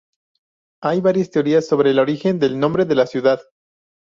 Hay varias teorías sobre el origen del nombre de la ciudad.